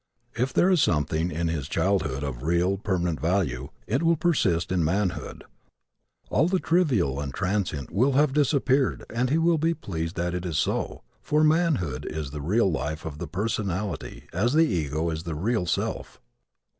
If there is something in his childhood of real, permanent value, it will persist in manhood. All the trivial and transient will have disappeared and he will be pleased that it is so, for manhood is the real life of the personality as the ego is the real self.